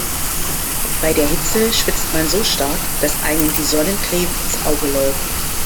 Bei der Hitze schwitzt man so stark, dass einem die Sonnencreme ins Auge läuft.